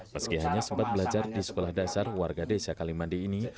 meski hanya sempat belajar di sekolah dasar warga desa kalimandi ini